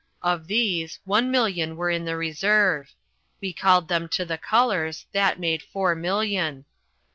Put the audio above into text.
Of these, one million were in the reserve. We called them to the colours, that made four million.